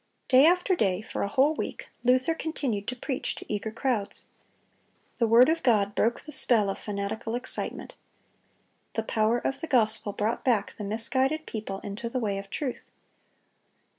(274) Day after day, for a whole week, Luther continued to preach to eager crowds. The word of God broke the spell of fanatical excitement. The power of the gospel brought back the misguided people into the way of truth.